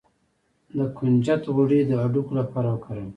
د کنجد غوړي د هډوکو لپاره وکاروئ